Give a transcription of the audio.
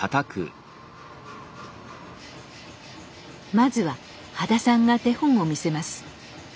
まずは羽田さんが手本を見せます。